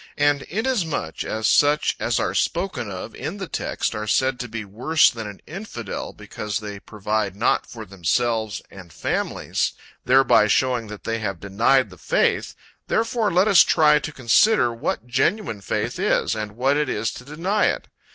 And inasmuch, as such as are spoken of in the text are said to be worse than an infidel, because they provide not for themselves and families, thereby showing that they have denied the faith, therefore let us try to consider what genuine faith is, and what it is to deny it.